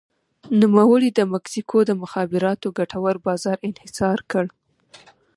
نوموړي د مکسیکو د مخابراتو ګټور بازار انحصار کړ.